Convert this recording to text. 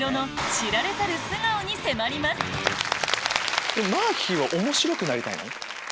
まっひーは面白くなりたいの？